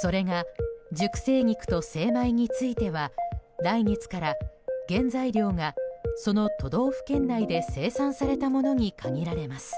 それが、熟成肉と精米については来月から、原材料がその都道府県内で生産されたものに限られます。